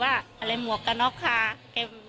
เขาก็บอกแม่แค่นี้